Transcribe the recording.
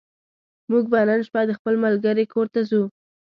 موږ به نن شپه د خپل ملګرې کور ته ځو